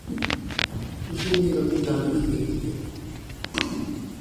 اس نے یہ غلطی جان بوجھ کے کی ہے۔